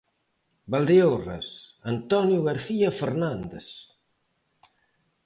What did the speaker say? Valdeorras, Antonio García Fernández.